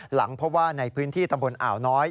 หลังเพราะว่าในพื้นที่ตำบลอ่าวน้อย